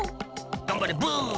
『がんばれブー！』。